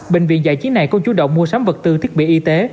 bệnh viện giải chiến này cũng chú động mua sắm vật tư thiết bị y tế